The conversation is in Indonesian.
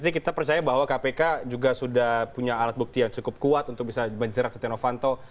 kita percaya bahwa kpk juga sudah punya alat bukti yang cukup kuat untuk bisa menjerat setia novanto